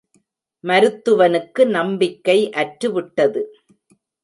மருத்துவனுக்கு நம்பிக்கை அற்று விட்டது.